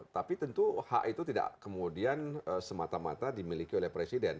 tapi tentu hak itu tidak kemudian semata mata dimiliki oleh presiden